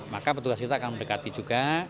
maka petugas kita akan mendekati juga